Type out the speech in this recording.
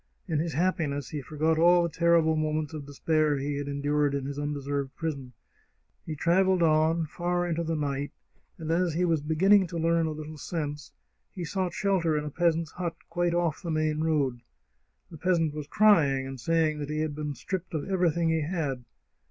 In his hap piness he forgot all the terrible moments of despair he had endured in his undeserved prison. He travelled on, far into the night, and, as he was beginning to learn a little sense, he sought shelter in a peasant's hut, quite off the main road. The peasant was crying, and saying that he had been stripped of everything he had.